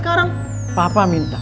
kenapa papa mau nemenin dia sekarang